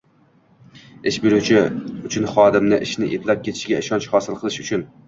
ish beruvchi uchun xodimni ishini eplab ketishiga ishonch hosil qilish uchun